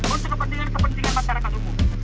untuk kepentingan kepentingan masyarakat umum